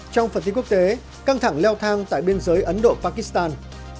trong phần tin quốc tế căng thẳng leo thang tại biên giới ấn độ pakistan